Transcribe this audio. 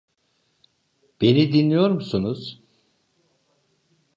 Beni dinliyor musunuz?